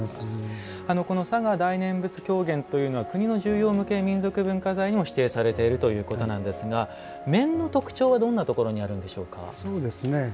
この嵯峨大念佛狂言というのは国の重要無形民族文化財にも指定されているということなんですが面の特徴はどんなところにあるんでしょうか。